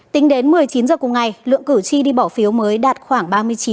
tính đến một mươi chín h cùng ngày lượng cử tri đi bỏ phiếu mới đạt khoảng ba mươi chín